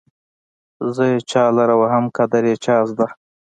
زه يې چالره وهم قدر يې چازده